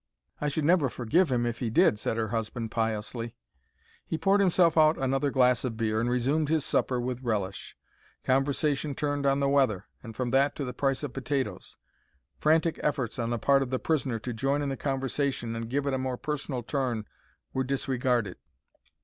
"I should never forgive him if he did," said her husband, piously. He poured himself out another glass of beer and resumed his supper with relish. Conversation turned on the weather, and from that to the price of potatoes. Frantic efforts on the part of the prisoner to join in the conversation and give it a more personal turn were disregarded.